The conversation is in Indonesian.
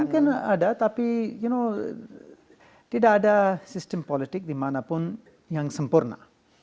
mungkin ada tapi tidak ada sistem politik dimanapun yang sempurna